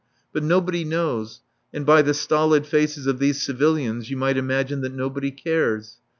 But nobody knows, and by the stolid faces of these civilians you might imagine that nobody cares.